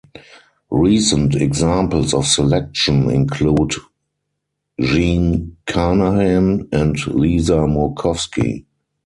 Recent examples of selection include Jean Carnahan and Lisa Murkowski.